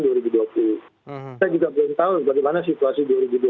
saya juga belum tahu bagaimana situasi